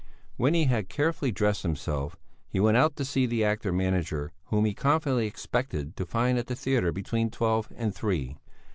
When he had carefully dressed himself, he went out to see the actor manager, whom he confidently expected to find at the theatre between twelve and three.